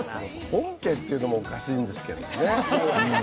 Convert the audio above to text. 本家っていうのもおかしいんですけどね。